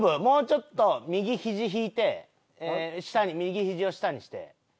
もうちょっと右ひじ引いて下に右ひじを下にして。